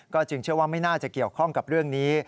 จึงเชื่อว่าไม่น่าจะเกี่ยวข้องกับเรื่องนี้